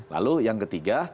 lalu yang ketiga